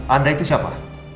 anda itu siapa